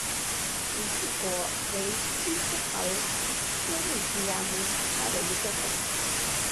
犁地果为金丝桃科瑞地亚木属下的一个种。